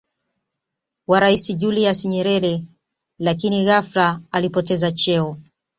wa Rais Julius Nyerere lakin ghafla alipoteza cheo